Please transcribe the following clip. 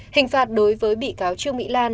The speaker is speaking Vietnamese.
hình phạt đối với bị cáo trương mỹ lan